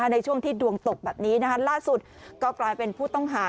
ในช่วงที่ดวงตกแบบนี้ล่าสุดก็กลายเป็นผู้ต้องหา